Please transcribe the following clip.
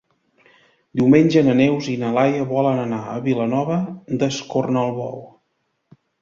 Diumenge na Neus i na Laia volen anar a Vilanova d'Escornalbou.